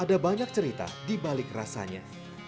ada banyak cerita di balik rasanya